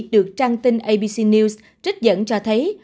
được trang tin abc news trích dẫn cho thấy